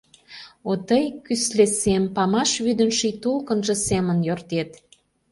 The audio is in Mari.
О тый, кӱсле сем, памаш вӱдын Ший толкынжо семын йортет.